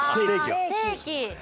ステーキ。